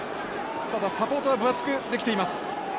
ただサポートは分厚くできています。